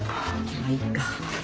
まっいっか。